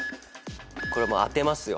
これ当てますよ。